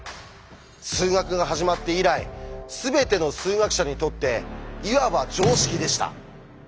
数学が始まって以来全ての数学者にとっていわば常識でした。